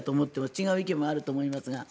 違う意見もあると思いますが。